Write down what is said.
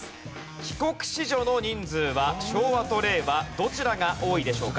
帰国子女の人数は昭和と令和どちらが多いでしょうか？